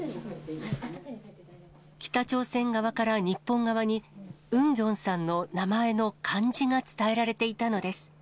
北朝鮮側から日本側に、ウンギョンさんの名前の漢字が伝えられていたのです。